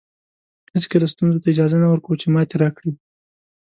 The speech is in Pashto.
هېڅکله ستونزو ته اجازه نه ورکوو چې ماتې راکړي.